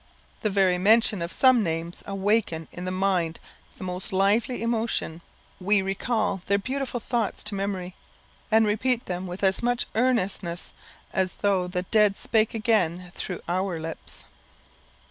The very mention of some names awaken in the mind the most lively emotion. We recall their beautiful thoughts to memory, and repeat them with as much earnestness as though the dead spake again through our lips.